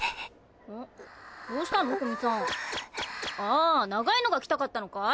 あ長いのが着たかったのかい？